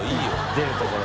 出るところ。